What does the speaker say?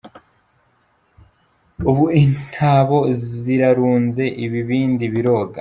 Ubu intabo zirarunze Ibibindi biroga.